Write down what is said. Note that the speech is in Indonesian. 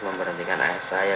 memberhentikan air saya